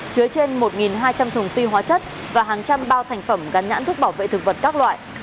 chứa trên một hai trăm linh thùng phi hóa chất và hàng trăm bao thành phẩm gắn nhãn thuốc bảo vệ thực vật các loại